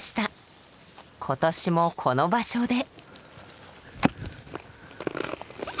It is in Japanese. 今年もこの場所で。